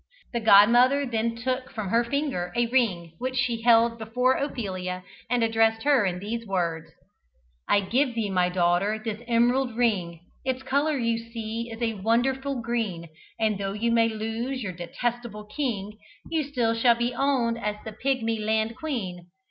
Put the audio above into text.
The godmother then took from her finger a ring which she held before Ophelia and addressed her in these words. "I give thee, my daughter, this emerald ring (Its colour, you see, is a wonderful green), And tho' you may lose your detestable king You still shall be owned as the Pigmy land queen.